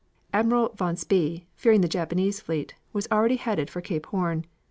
Admiral von Spee, fearing the Japanese fleet, was already headed for Cape Horn.